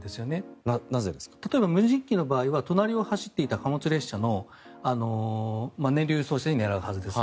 例えば無人機の場合は隣を走っていた貨物列車を狙うはずです。